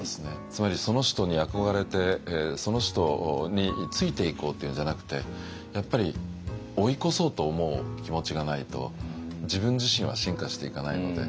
つまりその人に憧れてその人についていこうというんじゃなくてやっぱり追い越そうと思う気持ちがないと自分自身は進化していかないので。